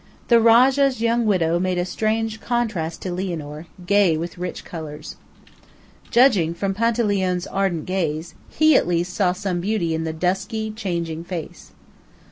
The rajah's young widow made a strange contrast to Lianor, gay with rich colors. Judging from Panteleone's ardent gaze, he, at least, saw some beauty in the dusky, changing face.